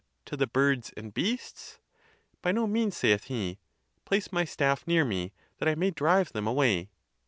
to the birds and beasts?" " By no means," saith he; "place my staff near me, that I may drive them away."